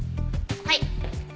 はい。